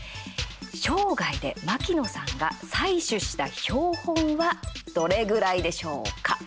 生涯で牧野さんが採取した標本は、どれぐらいでしょうか？